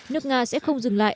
nước nga sẽ không dừng lại